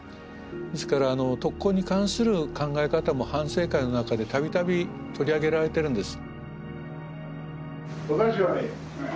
ですから特攻に関する考え方も反省会の中で度々取り上げられてるんです。